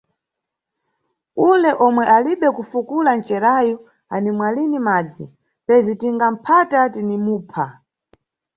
Ule yomwe alibe kufukula ncerayu animwa lini madzi, pezi tinga phata, tini mupha.